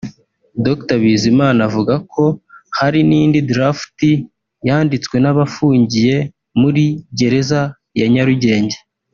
Dr Bizimana avuga ko hari n’indi ‘draft’ yanditswe n’abafungiye muri gereza ya Nyarugenge